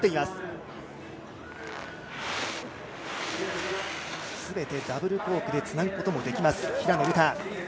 すべてダブルコークでつなぐこともできます平野流佳。